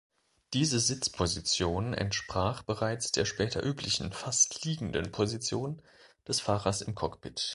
Diese Sitzposition entsprach bereits der später üblichen fast liegenden Position des Fahrers im Cockpit.